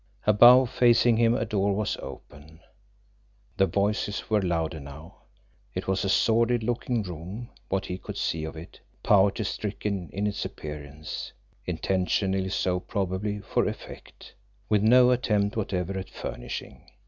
Above, facing him, a door was open. The voices were louder now. It was a sordid looking room, what he could see of it, poverty stricken in its appearance, intentionally so probably for effect, with no attempt whatever at furnishing.